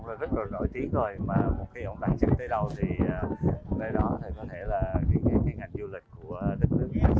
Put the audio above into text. thì về đó có thể là cái ngành du lịch của đất nước